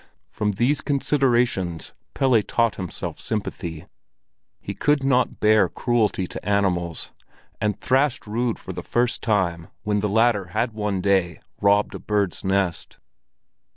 From these considerations, Pelle taught himself sympathy. He could not bear cruelty to animals, and thrashed Rud for the first time when the latter had one day robbed a bird's nest.